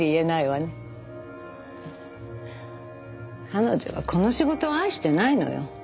彼女はこの仕事を愛してないのよ。